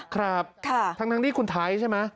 ครับทั้งที่คุณไทยใช่ไหม